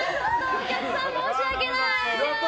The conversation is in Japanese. お客さん、申し訳ない。